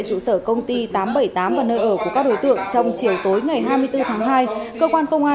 trụ sở công ty tám trăm bảy mươi tám và nơi ở của các đối tượng trong chiều tối ngày hai mươi bốn tháng hai cơ quan công an